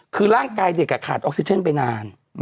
คือร่างกายเด็กขาดออกซิเจนไปนาน